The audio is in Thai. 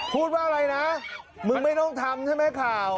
พูดว่าอะไรนะมึงไม่ต้องทำใช่ไหมข่าว